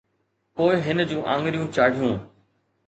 پوءِ هن جون آڱريون چاڙهيون